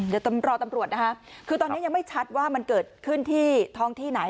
เดี๋ยวรอตำรวจนะคะคือตอนนี้ยังไม่ชัดว่ามันเกิดขึ้นที่ท้องที่ไหน